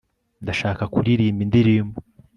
ndashaka kuririmba indirimbo